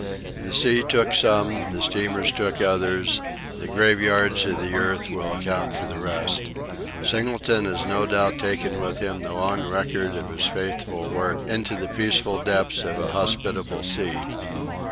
The sea took some, the steamers took others, the graveyards of the earth will account for the rest. Singleton has no doubt taken with him the long record of his faithful work into the peaceful depths of an hospitable sea.